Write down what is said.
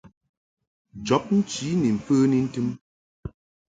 Jɔbnchi ni mfəni ntɨm.